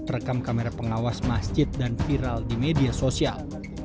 terekam kamera pengawas masjid dan viral di media sosial